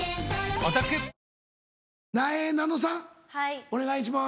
お願いします。